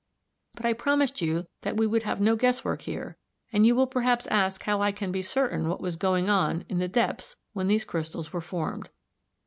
] But I promised you that we would have no guesswork here, and you will perhaps ask how I can be certain what was going on in the depths when these crystals were formed.